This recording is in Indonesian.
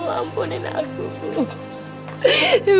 ibu ampunin aku ibu